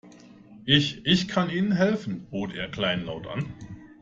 Ich, ich kann Ihnen helfen, bot er kleinlaut an.